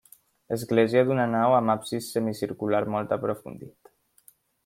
Església d'una nau amb absis semicircular molt aprofundit.